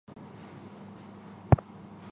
他的儿子是金密索尔。